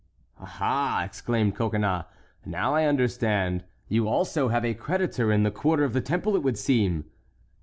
"Aha!" exclaimed Coconnas, "now I understand—you also have a creditor in the quarter of the Temple, it would seem."